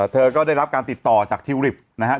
เธอก็ได้รับการติดต่อจากทิวริปนะครับ